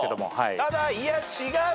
ただいや違うと。